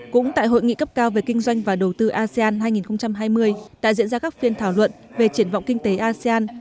cũng tại hội nghị cấp cao về kinh doanh và đầu tư asean hai nghìn hai mươi đã diễn ra các phiên thảo luận về triển vọng kinh tế asean